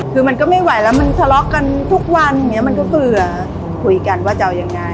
คือมันก็ไม่ไหวแล้วมันทะเลาะกันทุกวันอย่างนี้มันก็เผื่อคุยกันว่าจะเอายังไง